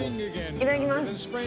いただきます。